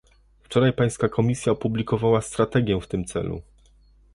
Wczoraj pańska Komisja opublikowała strategię w tym celu